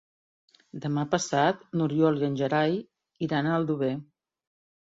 Demà passat n'Oriol i en Gerai iran a Aldover.